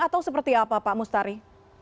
atau seperti apa pak mustari